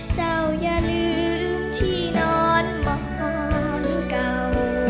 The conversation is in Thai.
เจ้าอย่าลืมที่นอนบ้านเก่า